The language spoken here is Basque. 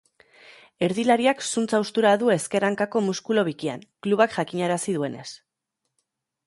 Erdilariak zuntz-haustura du ezker hankako muskulu bikian, klubak jakinarazi duenez.